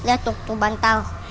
lihat tuh tuh bantal